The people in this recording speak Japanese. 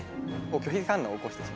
拒否反応を起こしてしまうと。